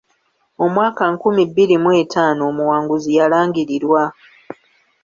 Omwaka nkumi bbiri mu etaano omuwanguzi yalangirirwa.